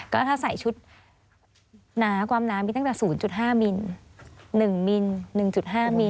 ก็ถ้าใส่ชุดหนาความหนามีตั้งแต่สูงจุดห้ามิลหนึ่งมิลหนึ่งจุดห้ามิล